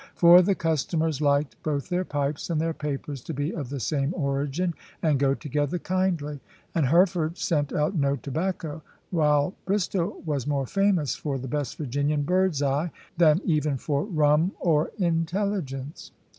For the customers liked both their pipes and their papers to be of the same origin, and go together kindly. And Hereford sent out no tobacco; while Bristol was more famous for the best Virginian birdseye, than even for rum, or intelligence.